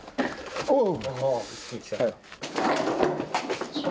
おう！